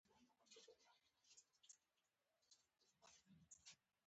څېړنې ښيي چې د مرستو سلنه په اصلي هدف لګول کېږي.